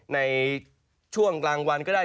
ในช่วงกลางวันก็ได้